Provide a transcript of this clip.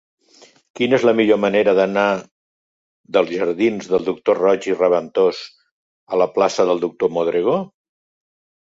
Quina és la millor manera d'anar dels jardins del Doctor Roig i Raventós a la plaça del Doctor Modrego?